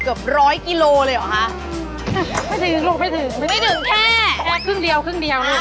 เกือบร้อยกิโลเลยเหรอคะไม่ถึงลูกไม่ถึงไม่ถึงแค่แค่ครึ่งเดียวครึ่งเดียวลูก